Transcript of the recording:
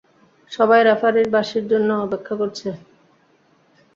সবাই রেফারির বাঁশির জন্য অপেক্ষা করছে।